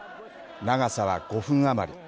長さは５分余り。